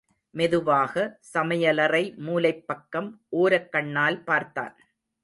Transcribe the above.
மெதுவாக, சமயலறை மூலைப் பக்கம் ஓரக் கண்ணால் பார்த்தான்.